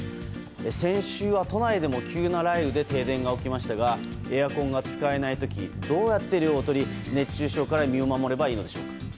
先週は都内でも急な雷雨で停電が起きましたがエアコンが使えない時どうやって涼をとり、熱中症から身を守ればいいのでしょうか。